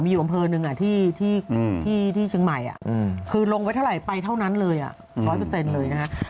มีอยู่อำเภอหนึ่งที่เชียงใหม่คือลงไว้เท่าไหร่ไปเท่านั้นเลย๑๐๐เลยนะฮะ